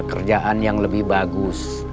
kerjaan yang lebih bagus